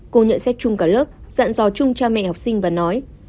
cô nhận xét chung cả lớp dặn dò chung cha mẹ học sinh và nói